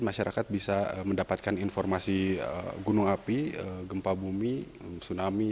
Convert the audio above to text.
masyarakat bisa mendapatkan informasi gunung api gempa bumi tsunami